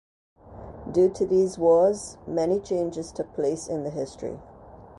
Due to these wars many changes took place in the history.